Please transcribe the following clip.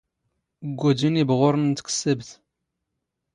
ⴳⴳⵓⴷⵉⵏ ⵉⴱⵖⵓⵔⵏ ⵏ ⵜⴽⵙⵙⴰⴱⵜ.